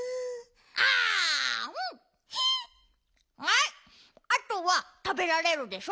はいあとはたべられるでしょ？